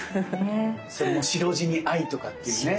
それも白地に藍とかっていうね。